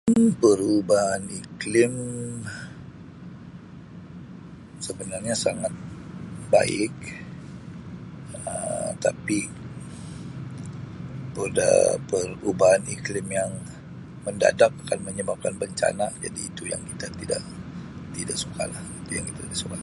[unintelligible] Perubahan iklim sebenarnya sangat baik Um tapi [unintelligible] perubahan iklim yang mendadak akan menyebabkan bencana jadi itu yang kita tidak tidak suka lah itu yang kita tidak suka.